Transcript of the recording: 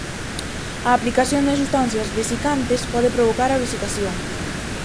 A aplicación de substancias vesicantes pode provocar a vesicación.